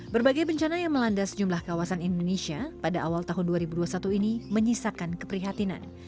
berbagai bencana yang melanda sejumlah kawasan indonesia pada awal tahun dua ribu dua puluh satu ini menyisakan keprihatinan